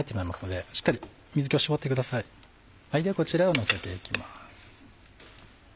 ではこちらをのせて行きます。